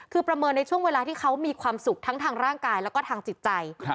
คือประเมินในช่วงเวลาที่เขามีความสุขทั้งทางร่างกายแล้วก็ทางจิตใจ